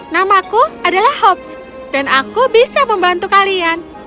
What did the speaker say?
namaku adalah hope dan aku bisa membantu kalian